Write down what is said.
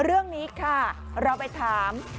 เรื่องนี้ค่ะเราไปถาม